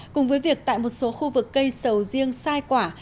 cùng với việc tại một số khu vực cây sầu riêng sai quả